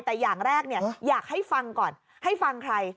แต่อย่างแรกอยากให้ฟังก่อนให้ฟังใคร